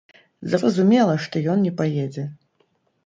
Зразумела, што ён не паедзе.